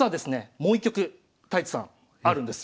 もう一局太地さんあるんですよ。